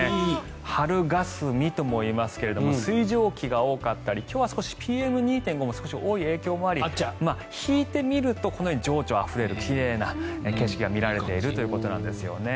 春がすみとも言いますが水蒸気が多かったり今日は少しＰＭ２．５も多い影響もあり引いてみるとこのように情緒あふれる奇麗な景色が見られているということなんですよね。